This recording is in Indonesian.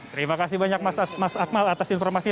terima kasih banyak mas atmal atas informasi